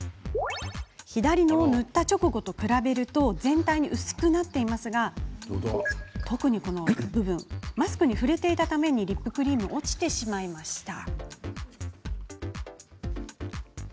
左の塗った直後と比べると全体に薄くなっていますが特に、この部分マスクに触れていたためにリップクリームが落ちてしまいました。